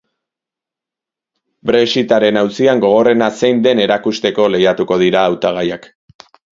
Brexit-aren auzian gogorrena zein den erakusteko lehiatuko dira hautagaiak.